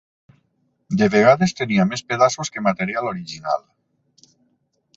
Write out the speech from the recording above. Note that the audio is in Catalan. De vegades tenia més pedaços que material original